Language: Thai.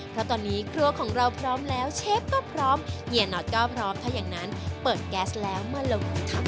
เพราะตอนนี้ครัวของเราพร้อมแล้วเชฟก็พร้อมเฮียน็อตก็พร้อมถ้าอย่างนั้นเปิดแก๊สแล้วมาลงทุนค่ะ